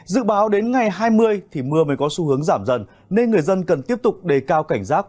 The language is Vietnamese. dự báo đến ngày hai mươi thì mưa mới có xu hướng giảm dần nên người dân cần tiếp tục đề cao cảnh giác